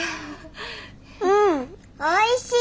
うんおいしい！